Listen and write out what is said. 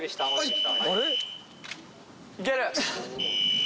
いける。